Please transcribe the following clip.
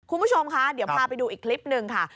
คุณผู้ชมคะเดี๋ยวพาไปดูอีกคลิปหนึ่งค่ะ